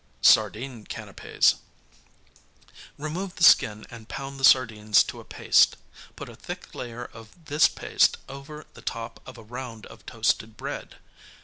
Sardine Canapķs Remove the skin and pound the sardines to a paste; put a thick layer of this paste over the top of a round of toasted bread.